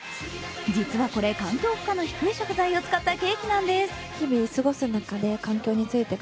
実はこれ環境負荷の低い食材を使ったケーキなんです。